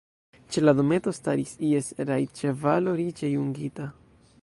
Ĉe la dometo staris ies rajdĉevalo, riĉe jungita.